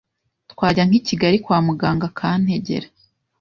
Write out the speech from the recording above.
twajya nk’i Kigali kwa muganga akantegera